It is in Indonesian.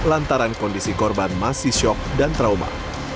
lantaran kondisi korban masih syok dan trauma